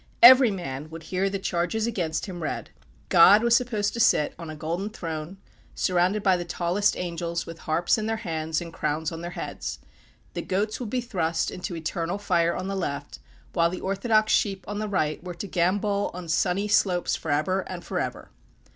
Every man would hear the charges against him read. God was supposed to sit on a golden throne, surrounded by the tallest angels, with harps in their hands and crowns on their heads. The goats would be thrust into eternal fire on the left, while the orthodox sheep on the right, were to gambol on sunny slopes forever and forever.